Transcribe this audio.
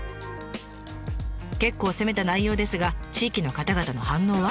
結構攻めた内容ですが地域の方々の反応は。